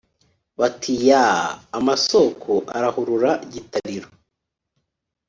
bati"yaaa"! amasoko arahurura gitariro